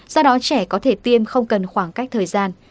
do đó trẻ có thể tiêm không cần khoảng cách thời gian